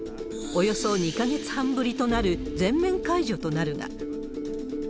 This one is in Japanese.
およそ２か月半ぶりとなる全面解除となるが。